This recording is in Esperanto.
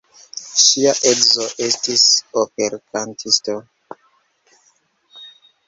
Ŝia edzo estis operkantisto.